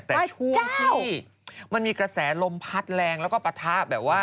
แต่ช่วงที่มันมีกระแสลมพัดแรงแล้วก็ปะทะแบบว่า